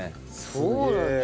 そうなんだ。